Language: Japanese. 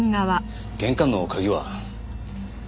玄関の鍵は？